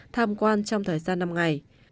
tham quan trong thời gian năm ngày